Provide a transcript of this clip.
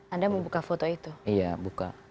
anda membuka foto itu iya buka